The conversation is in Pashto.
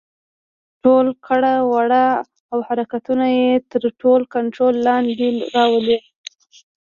ټول کړه وړه او حرکتونه يې تر خپل کنټرول لاندې راولي.